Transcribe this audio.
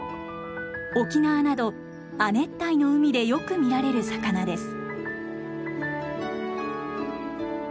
沖縄など亜熱帯の海でよく見られる魚です。